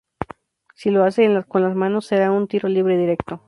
Si lo hace con las manos, será un tiro libre directo.